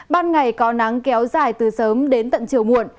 ban ngày có nắng kéo dài từ sớm đến tận chiều muộn